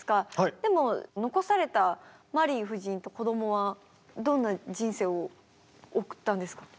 でも残されたマリー夫人とこどもはどんな人生を送ったんですか？